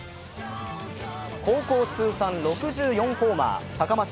高校通算６４ホーマー高松